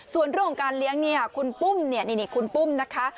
ส่วนเรื่องของการเลี้ยงเนี่ยคุณปุ้มเนี่ยนี่คุณปุ้มนะคะ